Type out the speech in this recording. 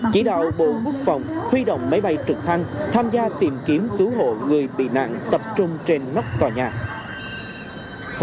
chỉ đạo bộ quốc phòng huy động máy bay trực thăng tham gia tìm kiếm cứu hộ người bị nạn tập trung trên nóc tòa nhà